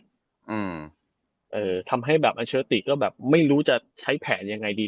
อืมเอ่อทำให้แบบอัเชอร์ติก็แบบไม่รู้จะใช้แผนยังไงดี